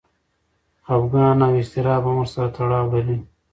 خپګان او اضطراب هم ورسره تړاو لري.